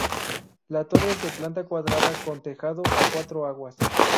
La torre es de planta cuadrada con tejado a cuatro aguas.